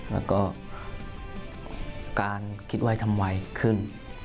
แล้วก็การคิดไวทำไวขึ้น